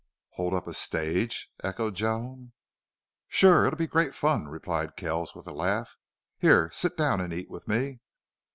"Hold up a stage?" echoed Joan. "Sure. It'll be great fun," replied Kells, with a laugh. "Here sit down and eat with me....